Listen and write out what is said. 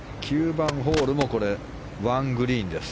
９番ホールも１グリーンです。